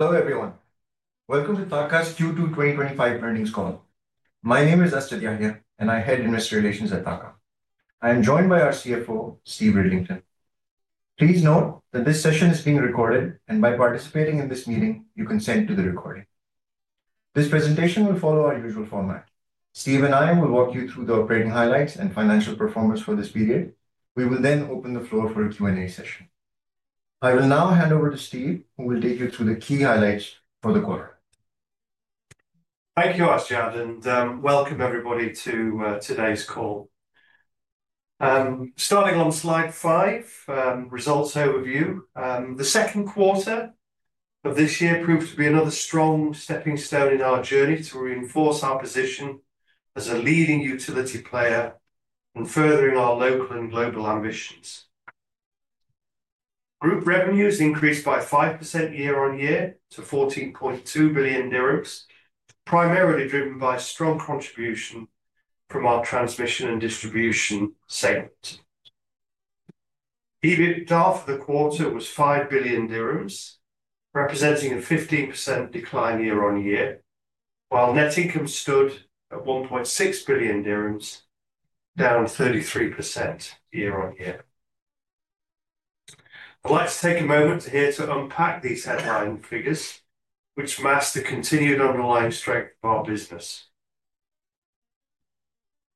Hello, everyone. Welcome to TAQA's Q2 2025 Earnings Call. My name is Asjad Yahya, and I head Industry Relations at TAQA. I'm joined by our CFO, Steve Ridlington. Please note that this session is being recorded, and by participating in this meeting, you consent to the recording. This presentation will follow our usual format. Steve and I will walk you through the operating highlights and financial performance for this period. We will then open the floor for a Q&A session. I will now hand over to Steve, who will take you through the key highlights for the quarter. Thank you, Astrid, and welcome everybody to today's call. Starting on slide five, results overview. The second quarter of this year proved to be another strong stepping stone in our journey to reinforce our position as a leading utility player in furthering our local and global ambitions. Group revenues increased by 5% year on year to EUR 14.2 billion, primarily driven by strong contribution from our transmission and distribution sales. EBITDA for the quarter was EUR 5 billion, representing a 15% decline year on year, while net income stood at EUR 1.6 billion, down 33% year on year. Let's take a moment here to unpack these headline figures, which mask the continued underlying strength of our business.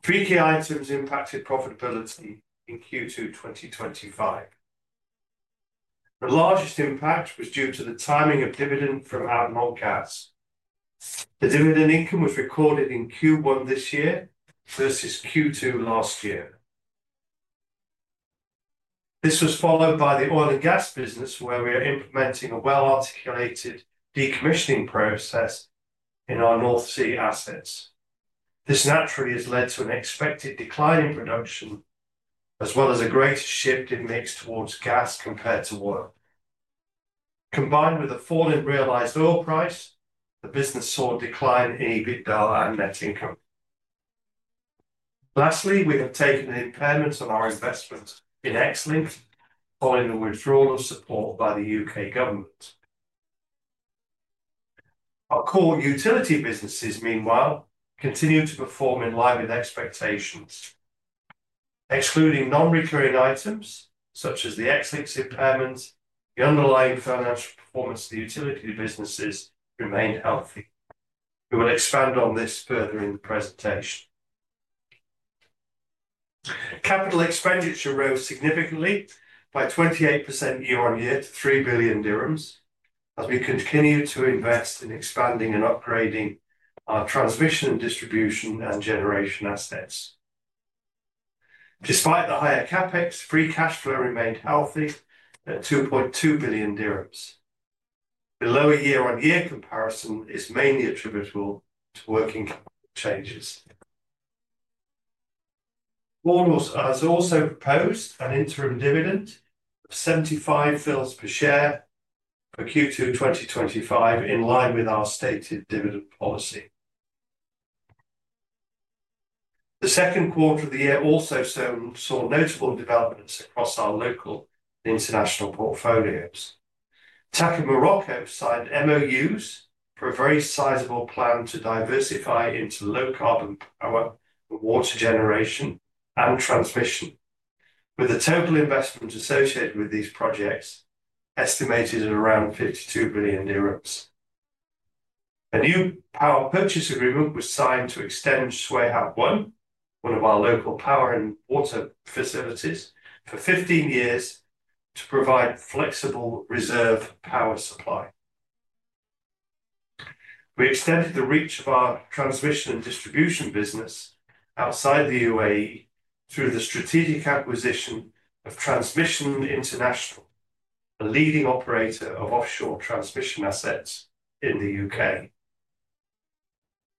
The key items impacted profitability in Q2 2025. The largest impact was due to the timing of dividends from our ADNOC Gas. The dividend income was recorded in Q1 this year versus Q2 last year. This was followed by the oil and gas business, where we are implementing a well-articulated decommissioning process in our North Sea assets. This naturally has led to an expected decline in production, as well as a greater shift in mixed water gas compared to oil. Combined with a fall in realized oil price, the business saw a decline in EBITDA and net income. Lastly, we have taken a payment of our investment in Xlinks, following the withdrawal of support by the U.K. government. Our core utility businesses, meanwhile, continue to perform in line with expectations. Excluding non-recurring items, such as the Xlinks impairment, the underlying financial performance of the utility businesses remained healthy. We will expand on this further in the presentation. Capital expenditure rose significantly by 28% year on year to EUR 3 billion, as we continued to invest in expanding and upgrading our transmission, distribution, and generation assets. Despite the higher CapEx, free cash flow remained healthy at EUR 2.2 billion. The lower year on year comparison is mainly attributable to working changes. TAQA has also proposed an interim dividend of 0.75 per share for Q2 2025, in line with our stated dividend policy. The second quarter of the year also saw notable developments across our local and international portfolios. TAQA Morocco signed MOUs for a very sizable plan to diversify into low-carbon power for water generation and transmission, with the total investment associated with these projects estimated at around 52 billion euros. A new power purchase agreement was signed to extend Sweihan power and water facility, one of our local power and water facilities, for 15 years to provide flexible reserve power supply. We extended the reach of our transmission and distribution business outside the UAE through the strategic acquisition of Transmission Investment, a leading operator of offshore transmission assets in the U.K..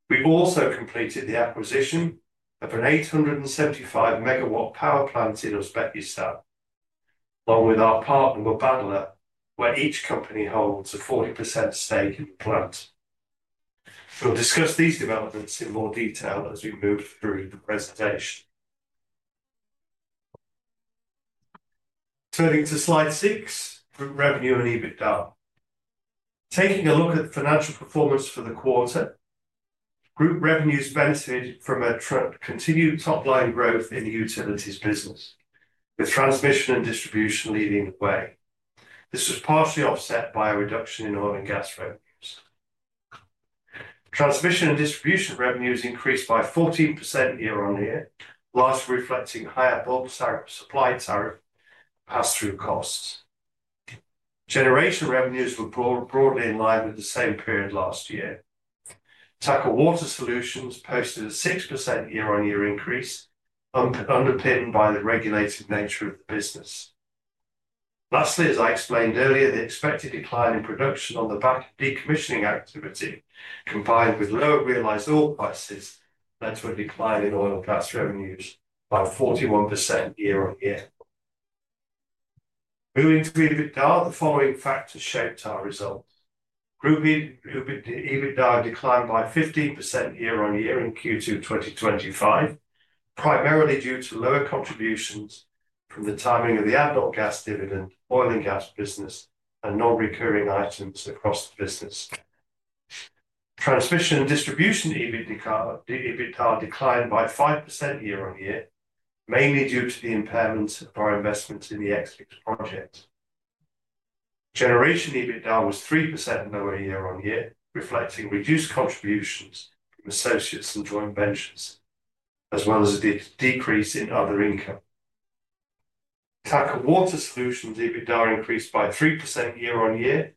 We also completed the acquisition of an 875-MW power plant in Uzbekistan, along with our partner Mubadala, where each company holds a 40% stake in the plant. We'll discuss these developments in more detail as we move through the presentation. Turning to slide six, group revenue and EBITDA. Taking a look at the financial performance for the quarter, group revenues benefited from a continued top-line growth in the utilities business, with transmission and distribution leading the way. This was partially offset by a reduction in oil and gas revenues. Transmission and distribution revenues increased by 14% year on year, largely reflecting higher bulk supply tariff and pass-through costs. Generation revenues were brought broadly in line with the same period last year. Tata Water Solutions posted a 6% year on year increase, underpinned by the regulated nature of the business. Lastly, as I explained earlier, the expected decline in production on the back of decommissioning activity, combined with lower realized oil prices, led to a decline in oil and gas revenues by 41% year on year 2025, primarily due to lower contributions from the timing of the annual gas dividend, oil and gas business, and non-recurring items across the business. Transmission and distribution EBITDA declined by 5% year on year, mainly due to the impairment of our investment in the Xlinks project. Generation EBITDA was 3% lower year on year, reflecting reduced contributions from associates and joint ventures, as well as a decrease in other income. Tata Water Solutions' EBITDA increased by 3% year on year.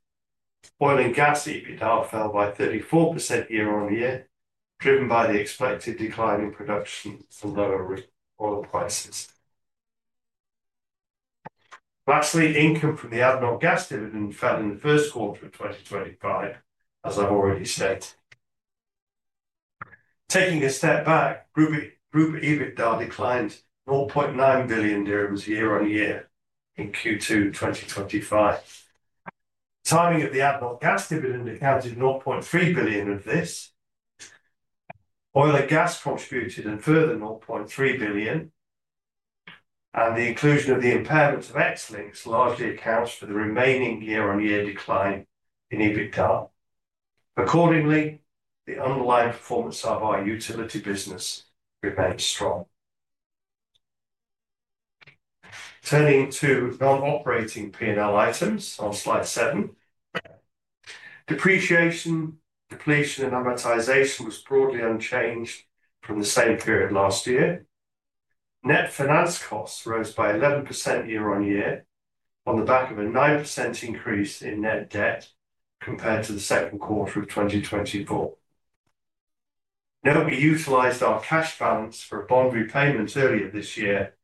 Oil and gas' EBITDA fell by 34% year on year, driven by the expected decline in production from lower oil prices. Lastly, income from the annual gas dividend fell in the first quarter of 2025, as I've already said. Taking a step back, group EBITDA declined EUR 0.9 billion year on year in Q2 2025. Timing of the annual gas dividend accounted for 0.3 billion of this. Oil and gas contributed a further 0.3 billion, and the inclusion of the impairment of Xlinks largely accounts for the remaining year on year decline in EBITDA. Accordingly, the underlying performance of our utility business remains strong. Turning to non-operating P&L items on slide seven, depreciation, depletion, and amortization was broadly unchanged from the same period last year. Net finance costs rose by 11% year on year on the back of a 9% increase in net debt compared to the second quarter of 2024. Nevertheless, we utilized our cash balance for bond repayments earlier this year,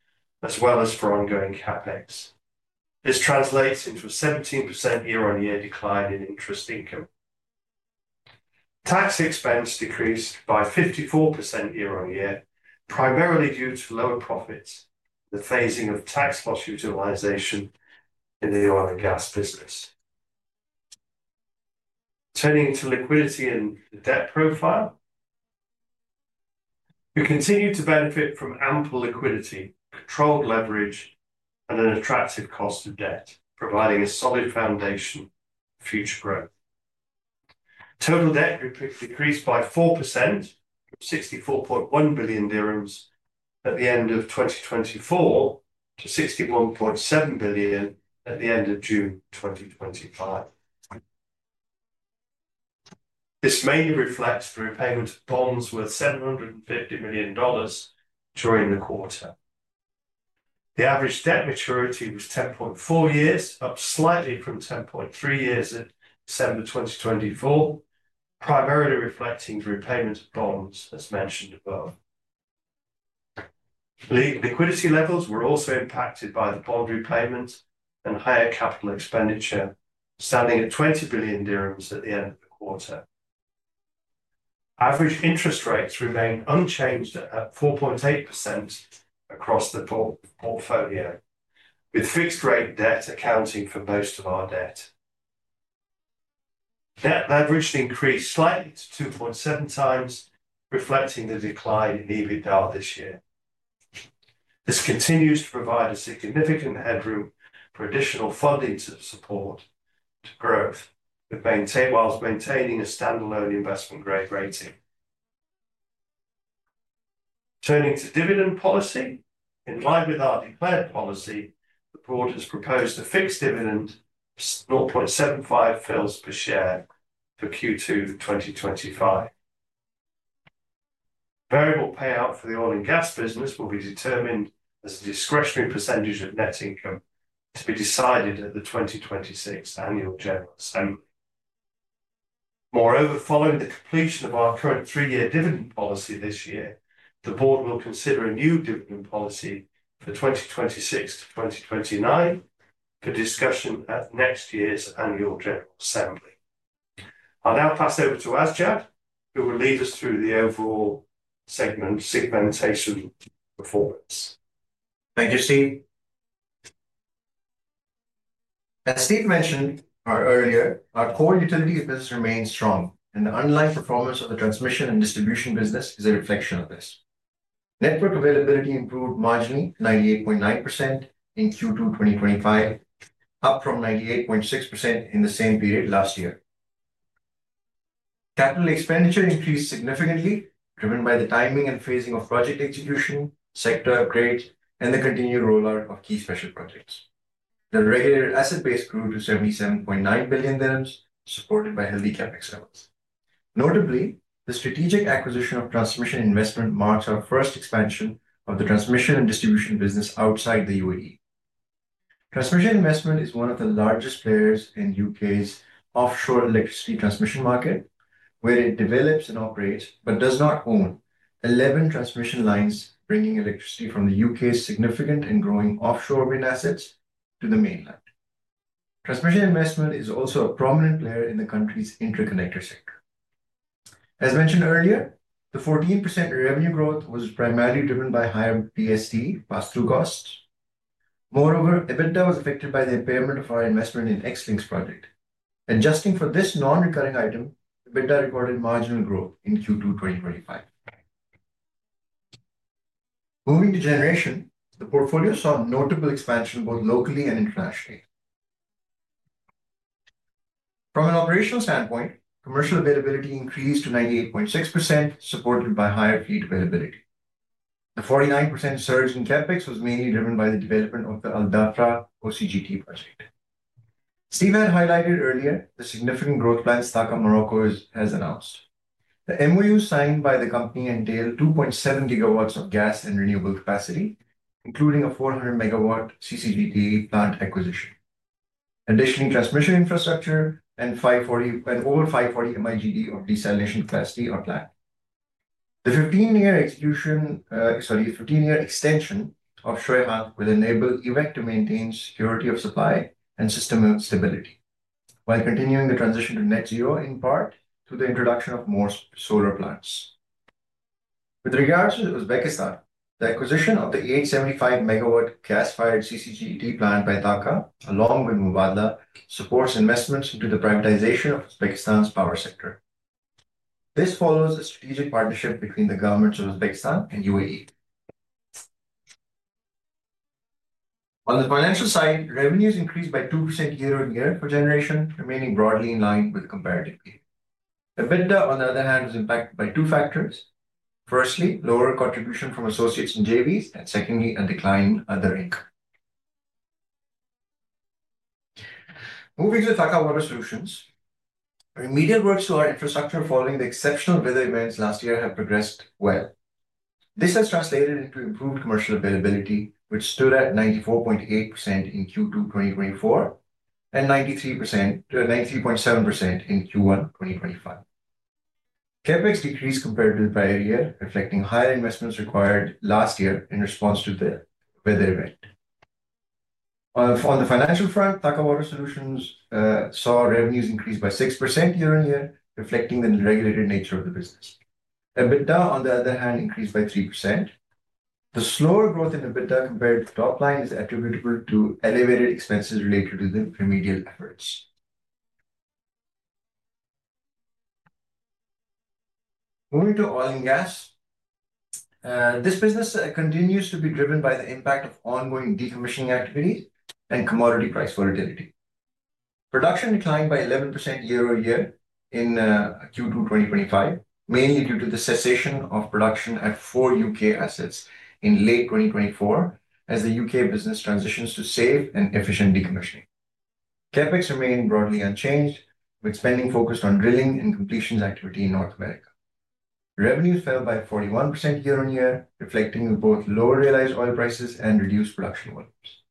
as well as for ongoing CapEx. This translates into a 17% year on year decline in interest income. Tax expense decreased by 54% year on year, primarily due to lower profits and the phasing of tax loss utilization in the oil and gas business. Turning to liquidity and the debt profile, we continue to benefit from ample liquidity, controlled leverage, and an attractive cost of debt, providing a solid foundation for future growth. Total debt decreased by 4%, from EUR 64.1 billion at the end of 2024 to 61.7 billion at the end of June 2025. This mainly reflects the repayment of bonds worth $750 million during the quarter. The average debt maturity was 10.4 years, up slightly from 10.3 years in December 2024, primarily reflecting the repayment of bonds, as mentioned above. The liquidity levels were also impacted by the bond repayments and higher capital expenditure, standing at EUR 20 billion at the end of the quarter. Average interest rates remain unchanged at 4.8% across the portfolio, with fixed-rate debt accounting for most of our debt. Debt leverage increased slightly to 2.7 times, reflecting the decline in EBITDA this year. This continues to provide significant headroom for additional funding to support the growth, whilst maintaining a standalone investment grade rating. Turning to dividend policy, in line with our declared policy, the board has proposed a fixed dividend of 0.75 per share for Q2 of 2025. Variable payout for the oil and gas business will be determined as a discretionary percentage of net income to be decided at the 2026 annual general assembly. Moreover, following the completion of our current three-year dividend policy this year, the board will consider a new dividend policy for 2026-2029 for discussion at next year's annual general assembly. I'll now pass over to Astrid Yahya, who will lead us through the overall segmentation performance. Thank you, Steve. As Steve Ridlington mentioned earlier, our core utility business remains strong, and the underlying performance of the transmission and distribution business is a reflection of this. Network availability improved marginally to 98.9% in Q2 2025, up from 98.6% in the same period last year. Capital expenditure increased significantly, driven by the timing and phasing of project execution, sector upgrades, and the continued rollout of key special projects. The Reher asset-based group is EUR 77.9 billion, supported by healthy CapEx summit. Notably, the strategic acquisition of Transmission Investment marks our first expansion of the transmission and distribution business outside the UAE. Transmission Investment is one of the largest players in the UK's offshore electricity transmission market, where it develops and operates, but does not own, 11 transmission lines bringing electricity from the UK's significant and growing offshore wind assets to the mainland. Transmission Investment is also a prominent player in the country's interconnector sector. As mentioned earlier, the 14% revenue growth was primarily driven by higher BSD pass-through costs. Moreover, EBITDA was affected by the impairment of our investment in Xlinks project. Adjusting for this non-recurring item, EBITDA recorded marginal growth in Q2 2025. Moving to generation, the portfolio saw a notable expansion both locally and internationally. From an operational standpoint, commercial availability increased to 98.6%, supported by higher fleet availability. The 49% surge in CapEx was mainly driven by the development of the Al Dhafra OCGT project. Steve Ridlington had highlighted earlier the significant growth plans TAQA Morocco has announced. The MOU signed by the company entails 2.7 gigawatts of gas and renewable capacity, including a 400-MW CCGT plant acquisition. Additional transmission infrastructure and over 540 MIGD on desalination capacity are planned. The 15-year extension of Sweihan power and water facility will enable TAQA to maintain security of supply and system stability, while continuing the transition to net zero in part through the introduction of more solar plants. With regards to Uzbekistan, the acquisition of the 875-MW gas-fired CCGT plant by TAQA along with Mubadala supports investments into the privatization of Uzbekistan's power sector. This follows a strategic partnership between the governments of Uzbekistan and UAE. On the financial side, revenues increased by 2% year on year for generation, remaining broadly in line with comparative fees. EBITDA, on the other hand, was impacted by two factors. Firstly, lower contribution from associates and joint ventures, and secondly, a decline in other income. Moving to Tata Water Solutions, our immediate work-to-work infrastructure, following the exceptional weather events last year, has progressed well. This has translated into improved commercial availability, which stood at 94.8% in Q2 2024 and 93.7% in Q1 2025. CapEx decreased compared to the prior year, reflecting higher investments required last year in response to the weather event. On the financial front, Tata Water Solutions saw revenues increase by 6% year on year, reflecting the regulated nature of the business. EBITDA, on the other hand, increased by 3%. The slower growth in EBITDA compared to top line is attributable to elevated expenses related to the remedial efforts. Moving to oil and gas, this business continues to be driven by the impact of ongoing asset decommissioning activity and commodity price volatility. Production declined by 11% year on year in Q2 2025, mainly due to the cessation of production at four U.K. assets in late 2024, as the U.K. business transitions to sale and efficient decommissioning. CapEx remained broadly unchanged, with spending focused on drilling and completion activity in North America. Revenue fell by 41% year on year, reflecting both lower realized oil prices and reduced production volumes.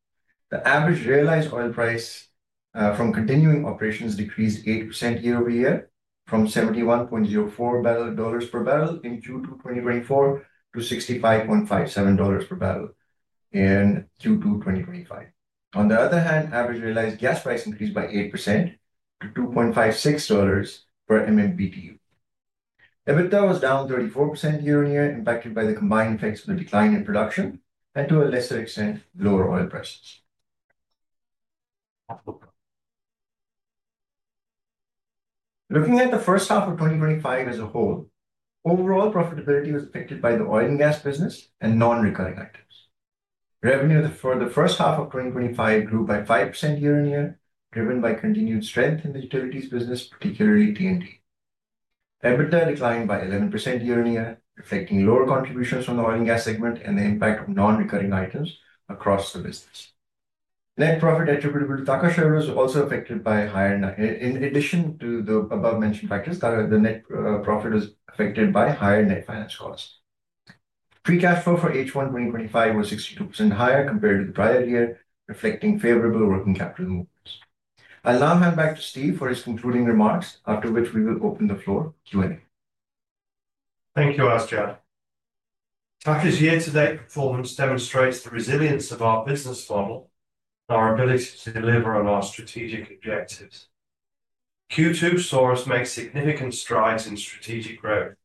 The average realized oil price from continuing operations decreased 8% year-over-year, from $71.04 per barrel in Q2 2024 to $65.57 per barrel in Q2 2025. On the other hand, average realized gas price increased by 8%-$2.56 per MMBtu. EBITDA was down 34% year on year, impacted by the combined effects of the decline in production and, to a lesser extent, lower oil prices. Looking at the first half of 2025 as a whole, overall profitability was affected by the oil and gas business and non-recurring items. Revenue for the first half of 2025 grew by 5% year on year, driven by continued strength in the utilities business, particularly T&D. EBITDA declined by 11% year on year, reflecting lower contributions from the oil and gas segment and the impact of non-recurring items across the business. Net income attributable to TAQA was also affected by higher, in addition to the above-mentioned factors, the net income was affected by higher net finance costs. Free cash flow for H1 2025 was 62% higher compared to the prior year, reflecting favorable working capital movements. I'll now hand back to Steve for his concluding remarks, after which we will open the floor for Q&A. Thank you, Astrid. TAQA's year-to-date performance demonstrates the resilience of our business model and our ability to deliver on our strategic objectives. Q2 saw us make significant strides in strategic growth.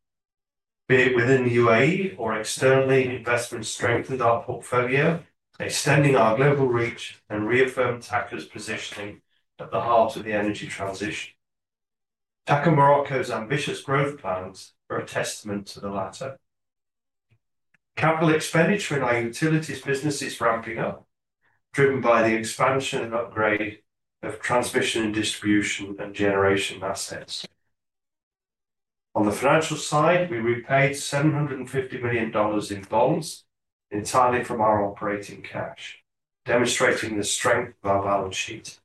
Be it within the UAE or externally, investment strengthened our portfolio, extending our global reach and reaffirmed TAQA's positioning at the heart of the energy transition. TAQA Morocco's ambitious growth plans are a testament to the latter. Capital expenditure in our utilities business is ramping up, driven by the expansion and upgrading of transmission and distribution and generation assets. On the financial side, we repaid $750 million in loans entirely from our operating cash, demonstrating the strength of our balance sheet.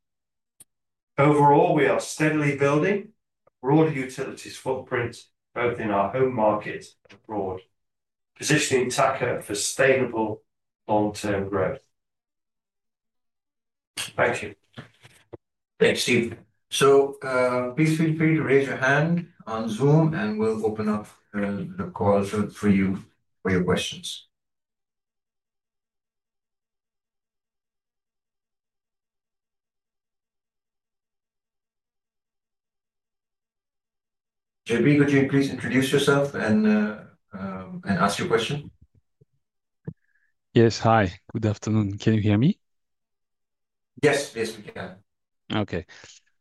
Overall, we are steadily building a broader utilities footprint, both in our home market and abroad, positioning TAQA for sustainable long-term growth. Thank you. Thank you, Steve. Please feel free to raise your hand on Zoom, and we'll open up the call for you for your questions. JP, could you please introduce yourself and ask your question? Yes, hi, good afternoon. Can you hear me? Yes, yes, we can. Okay.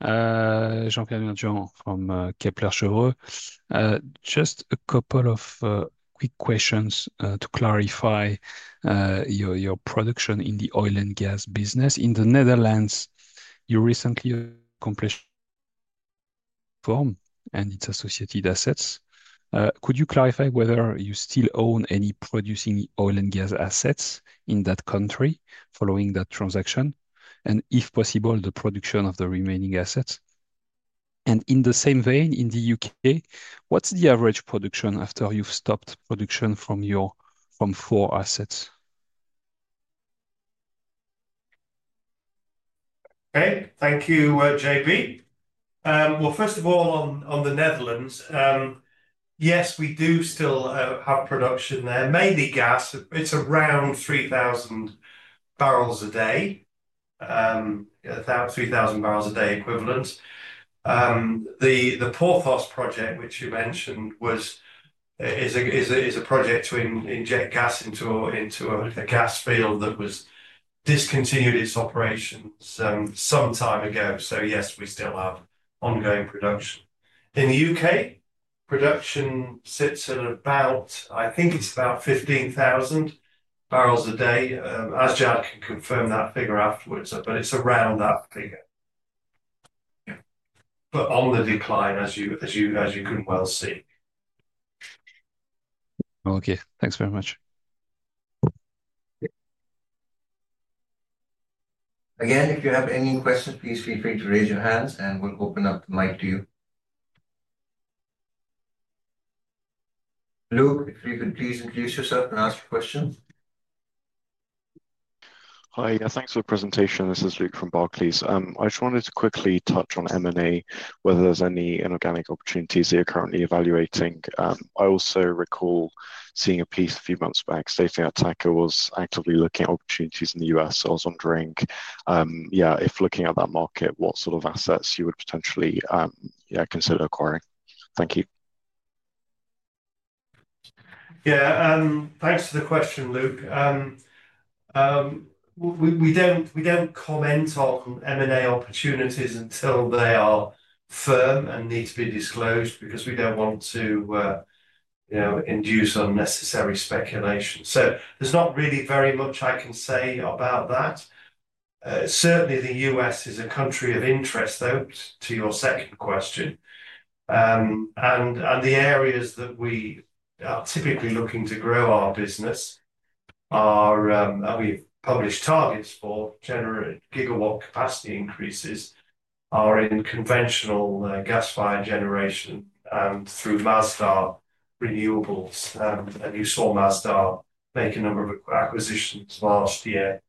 Jean-Pierre Ane from Kepler Chevreux. Just a couple of quick questions to clarify your production in the oil and gas business. In the Netherlands, you recently accomplished a farm-out and its associated assets. Could you clarify whether you still own any producing oil and gas assets in that country following that transaction? If possible, the production of the remaining assets. In the same vein, in the U.K., what's the average production after you've stopped production from your four assets? Okay, thank you, JP. First of all, on the Netherlands, yes, we do still have production there, mainly gas. It's around 3,000 barrels a day, about 3,000 barrels a day equivalent. The Porthos project, which you mentioned, is a project to inject gas into a gas field that discontinued its operations some time ago. Yes, we still have ongoing production. In the U.K., production sits at about, I think it's about 15,000 barrels a day. Astrid can confirm that figure afterwards, it's around that figure. It's on the decline, as you could well see. Okay, thanks very much. Again, if you have any questions, please feel free to raise your hands and we'll open up the mic to you. Luke, if you could please introduce yourself and ask your question. Hi, yeah, thanks for the presentation. This is Luke from Barclays. I just wanted to quickly touch on M&A, whether there's any inorganic opportunities that you're currently evaluating. I also recall seeing a piece a few months back stating that TAQA was actively looking at opportunities in the U.S. I was wondering if looking at that market, what sort of assets you would potentially consider acquiring. Thank you. Yeah, thanks for the question, Luke. We don't comment on M&A opportunities until they are firm and need to be disclosed because we don't want to induce unnecessary speculation. There's not really very much I can say about that. Certainly, the U.S. is a country of interest, though, to your second question. The areas that we are typically looking to grow our business, our published targets for gigawatt capacity increases, are in conventional gas-fired generation and through Masdar renewables. You saw Masdar make a number of acquisitions last year.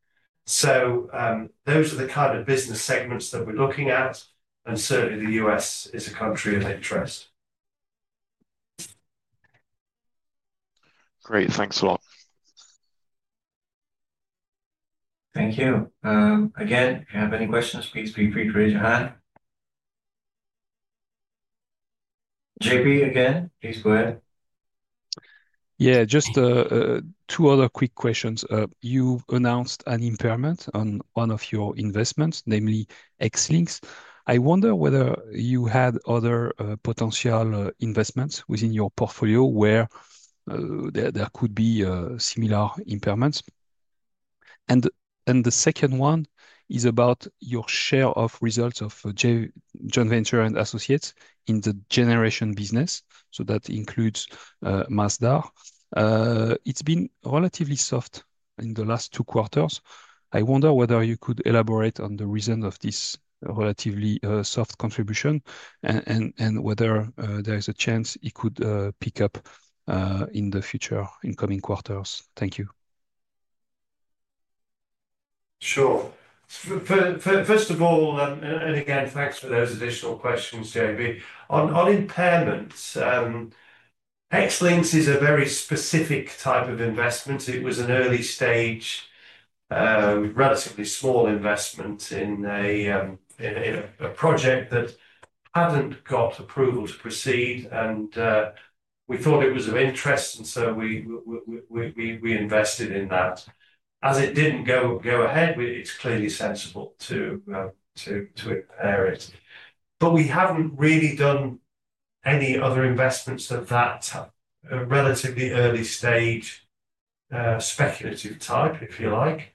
Those are the kind of business segments that we're looking at. Certainly, the U.S. is a country of interest. Great, thanks a lot. Thank you. Again, if you have any questions, please feel free to raise your hand. JP, again, please go ahead. Yeah, just two other quick questions. You announced an impairment on one of your investments, namely Xlinks. I wonder whether you had other potential investments within your portfolio where there could be similar impairments. The second one is about your share of results of joint ventures and associates in the generation business. That includes Masdar. It's been relatively soft in the last two quarters. I wonder whether you could elaborate on the reason of this relatively soft contribution and whether there is a chance it could pick up in the future incoming quarters. Thank you. Sure. First of all, and again, thanks for those additional questions, JP. On impairments, Xlinks is a very specific type of investment. It was an early stage, relatively small investment in a project that hadn't got approval to proceed. We thought it was of interest, and so we invested in that. As it didn't go ahead, it's clearly sensible to impair it. We haven't really done any other investments of that relatively early stage speculative type, if you like.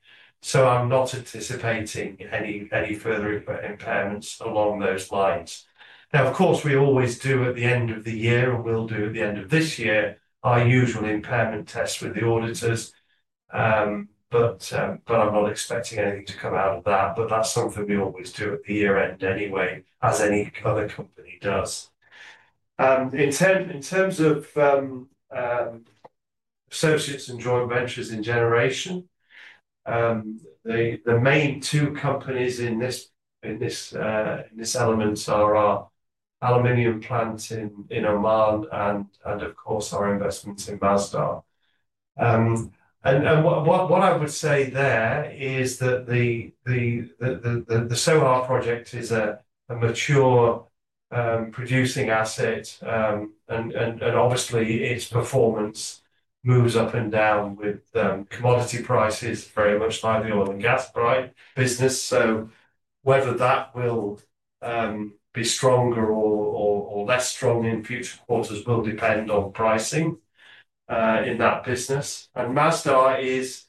I'm not anticipating any further impairments along those lines. Of course, we always do at the end of the year, and we'll do at the end of this year, our usual impairment test with the auditors. I'm not expecting anything to come out of that. That's something we always do at the year-end anyway, as any other company does. In terms of associates and joint ventures in generation, the main two companies in this element are our aluminum plant in Oman, and of course, our investment in Masdar. What I would say there is that the Sweihan power and water facility is a mature producing asset. Obviously, its performance moves up and down with commodity prices very much like the oil and gas price business. Whether that will be stronger or less strong in future quarters will depend on pricing in that business. Masdar is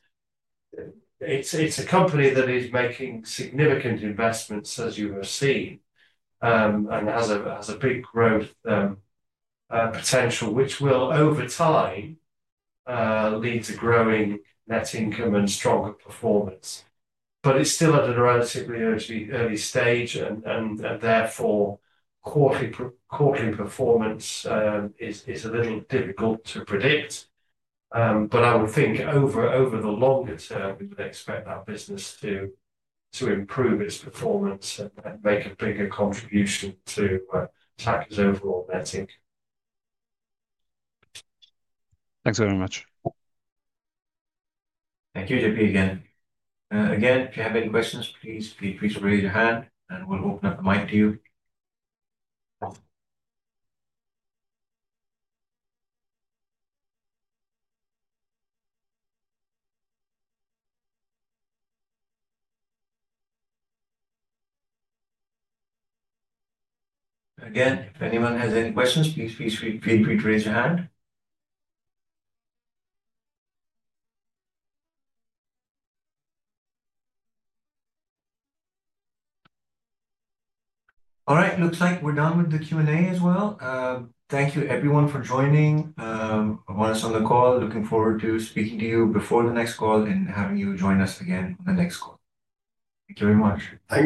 a company that is making significant investments, as you will see, and has a big growth potential, which will over time lead to growing net income and stronger performance. It's still at a relatively early stage, and therefore, quarterly performance is a little difficult to predict. I would think over the long term, we would expect our business to improve its performance and make a bigger contribution to TAQA's overall metric. Thanks very much. Thank you, JP. If you have any questions, please feel free to raise your hand, and we'll open up the mic to you. If anyone has any questions, please feel free to raise your hand. All right, looks like we're done with the Q&A as well. Thank you, everyone, for joining us on the call. Looking forward to speaking to you before the next call and having you join us again in the next call. Thank you very much. Thank you.